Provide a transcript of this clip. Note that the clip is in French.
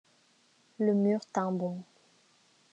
Le mur tint bon.